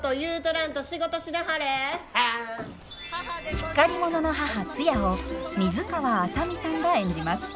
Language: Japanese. しっかり者の母ツヤを水川あさみさんが演じます。